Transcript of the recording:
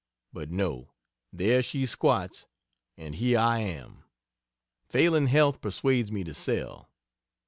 But no, there she squats and here am I. Failing health persuades me to sell.